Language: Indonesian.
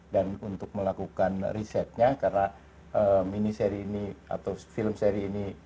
dan untuk melakukan risetnya karena miniseri ini atau film seri ini kini